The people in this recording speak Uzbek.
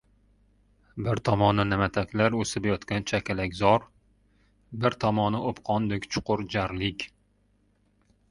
Bir tomoni na’mataklar o‘sib yotgan chakalakzor, bir tomoni o‘pqondek chuqur jarlik.